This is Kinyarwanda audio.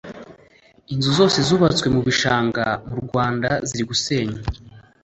inzu zose zubatswe mubishanga mu rwanda ziri gusenywa